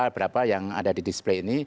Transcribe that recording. berapa yang ada di display ini